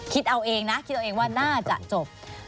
คิดเอาเองนะคิดเอาเองว่าน่าจะจบ